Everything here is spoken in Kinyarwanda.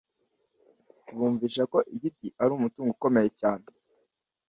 tubumvisha ko igiti ari umutungo ukomeye cyane